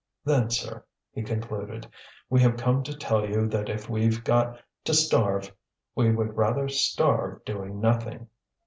"Then, sir," he concluded, "we have come to tell you that if we've got to starve we would rather starve doing nothing.